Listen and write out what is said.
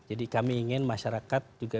jadi kami ingin masyarakat juga